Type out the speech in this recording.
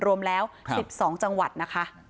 รวมแล้ว๑๒จังหวัดนะคะ